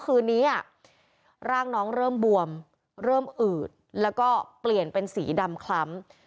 คืนนี้ร่างน้องเริ่มบวมเริ่มอืดแล้วก็เปลี่ยนเป็นสีดำคล้ำ